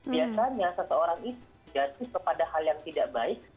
biasanya seseorang itu jatuh kepada hal yang tidak baik